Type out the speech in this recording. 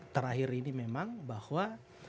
terakhir ini memang bahwa